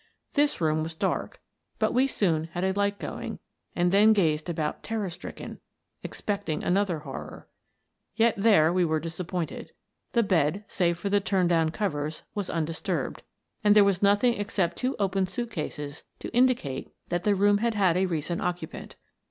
This room was dark, but we soon had a light going and then gazed about terror stricken, expect ing* another horror. Yet there we were disappointed. The bed — save for the turned down covers — was undisturbed, and there was nothing except two open suit cases to indicate that the room had had a recent occupant.